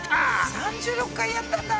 ３６回やったんだ。